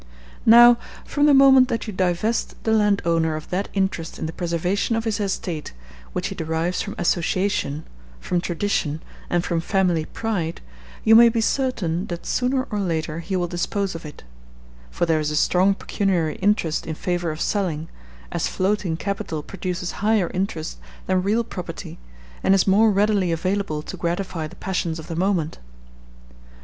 Now, from the moment that you divest the landowner of that interest in the preservation of his estate which he derives from association, from tradition, and from family pride, you may be certain that sooner or later he will dispose of it; for there is a strong pecuniary interest in favor of selling, as floating capital produces higher interest than real property, and is more readily available to gratify the passions of the moment.